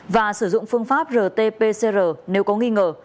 và sử dụng phương pháp rt pcr nếu có nghi ngờ